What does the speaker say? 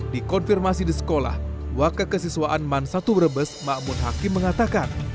di konfirmasi di sekolah wakil kesiswaan mansatu brebes makmun hakim mengatakan